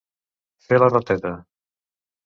Fer la rateta.